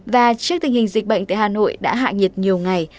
và trước tình hình dịch bệnh tại hà nội đã hạ nhiệt nhiều ngày